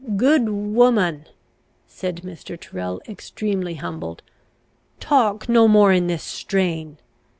"Good woman," said Mr. Tyrrel, extremely humbled, "talk no more in this strain!